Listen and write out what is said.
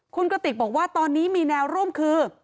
คุณกระติกบอกว่าตอนนี้มีแนวร่วมคือ